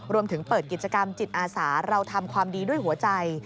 รวมถึงเปิดกิจกรรมจิตอาสาเราทำความดีด้วยหัวใจ